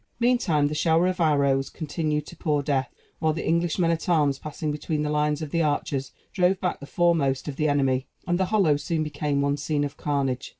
Meantime the shower of arrows continued to pour death, while the English men at arms, passing between the lines of the archers, drove back the foremost of the enemy, and the hollow soon became one scene of carnage.